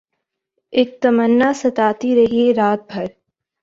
اک تمنا ستاتی رہی رات بھر